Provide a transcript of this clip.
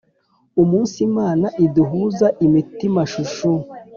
umunsi imana iduhuza imitima chouchou